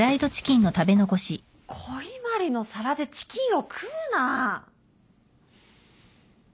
古伊万里の皿でチキンを食うな。